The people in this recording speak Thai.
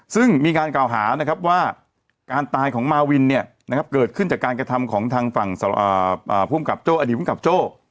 ซึ่งมีการกล่าวหาว่าการตายของมาวินเกิดขึ้นจากการกระทำของทางฝั่งอดีตภูมิกับโจ้